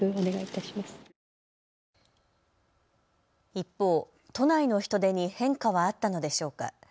一方、都内の人出に変化はあったのでしょうか。